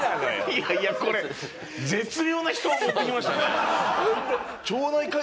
いやいやこれ絶妙な人を持ってきましたね。